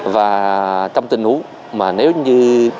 và trong tình huống nếu như